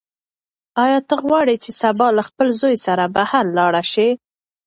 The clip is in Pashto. ایا ته غواړې چې سبا له خپل زوی سره بهر لاړه شې؟